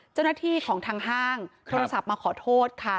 เจ้าหน้าที่ของทางห้างโทรศัพท์มาขอโทษค่ะ